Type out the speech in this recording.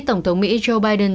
tổng thống mỹ joe biden